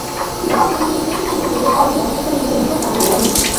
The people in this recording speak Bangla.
হ্রদটি তৈরির উদ্দেশ্য ছিল, রেল কলোনিতে বসবাসকারী লোকদের নিকট পানি পৌঁছানো।